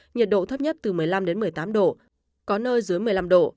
nhiệt độ thấp nhất từ một mươi năm đến một mươi tám độ có nơi dưới một mươi năm độ